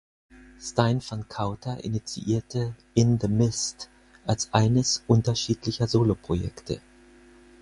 Stijn van Cauter initiierte In the Mist als eines unterschiedlicher Soloprojekte.